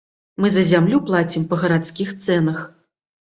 Мы за зямлю плацім па гарадскіх цэнах.